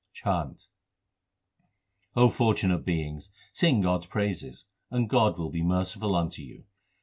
CHHANT O fortunate beings, sing God s praises, and God will be merciful unto you.